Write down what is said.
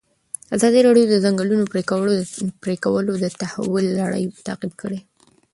ازادي راډیو د د ځنګلونو پرېکول د تحول لړۍ تعقیب کړې.